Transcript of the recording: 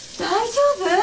大丈夫？